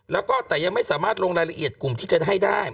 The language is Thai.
แล้วก็แต่ยังไม่สามารถลงรายละเอียดกลุ่มที่จะให้ได้